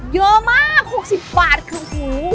เยอะมาก๖๐บาทขึ้นหู